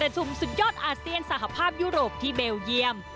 ชุมสุดยอดอาเซียนสหภาพยุโรปที่เบลเยี่ยม